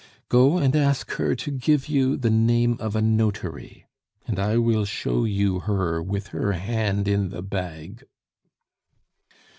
Go and ask her to give you the name of a notary, and I will show you her with her hand in the bag."